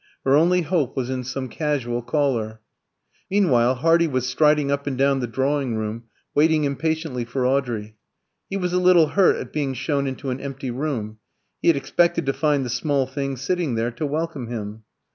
Her only hope was in some casual caller. Meanwhile Hardy was striding up and down the drawing room, waiting impatiently for Audrey. He was a little hurt at being shown into an empty room; he had expected to find the small thing sitting there to welcome him.